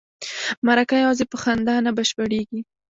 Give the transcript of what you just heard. مرکه یوازې په خندا نه بشپړیږي.